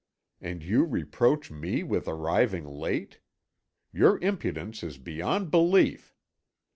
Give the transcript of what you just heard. And you reproach me with arriving late! Your impudence is beyond belief!